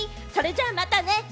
それじゃあ、またね！